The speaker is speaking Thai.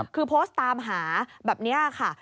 คือโพสต์ตามหาแบบนี้ค่ะ